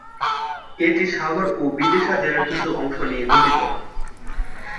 এটি সাগর এবং বিদিশা জেলার কিছু অংশ নিয়ে গঠিত।